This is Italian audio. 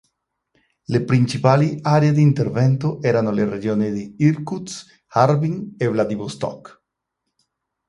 Le principali aree di intervento erano le regioni di Irkutsk, Harbin e Vladivostok.